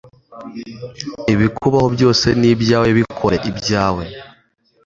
Ibikubaho byose ni ibyawe. Bikore ibyawe.